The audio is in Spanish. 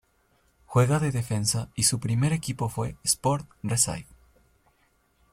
Juega de defensa y su primer equipo fue Sport Recife.